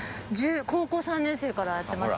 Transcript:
高校３年生からやってました。